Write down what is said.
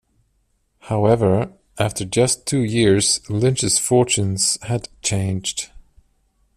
However, after just two years Lynch's fortunes had changed.